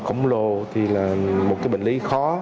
khổng lồ thì là một cái bệnh lý khó